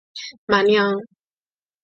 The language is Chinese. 马尼昂。